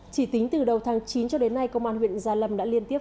chỉ tính từ đầu tháng chín cho đến nay công an huyện gia lâm đã liên tiếp